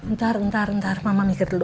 ntar ntar mama mikir dulu